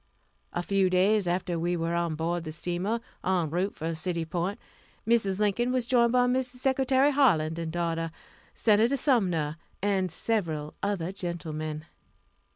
A few days after we were on board the steamer, en route for City Point. Mrs. Lincoln was joined by Mrs. Secretary Harlan and daughter, Senator Sumner, and several other gentlemen.